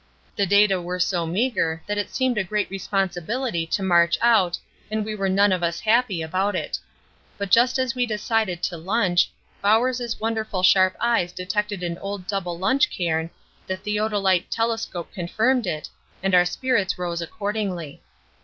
The data were so meagre that it seemed a great responsibility to march out and we were none of us happy about it. But just as we decided to lunch, Bowers' wonderful sharp eyes detected an old double lunch cairn, the theodolite telescope confirmed it, and our spirits rose accordingly.